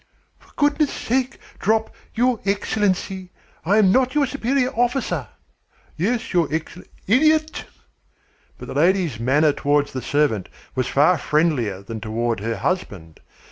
"For goodness' sake, drop 'your Excellency.' I am not your superior officer." "Yes, your Excel " "Idiot!" But the lady's manner toward the servant was far friendlier than toward her husband.